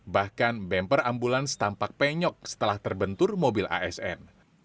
bahkan bemper ambulans tampak penyok setelah terbentur mobil asn